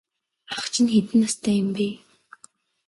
Ах чинь хэдэн настай юм бэ?